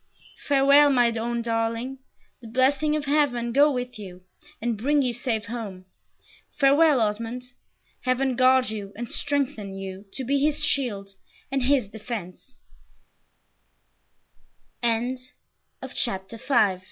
"Farewell, my own darling. The blessing of Heaven go with you, and bring you safe home! Farewell, Osmond. Heaven guard you and strengthen you to be his shield and his d